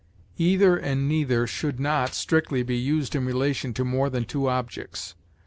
Either and neither should not strictly be used in relation to more than two objects.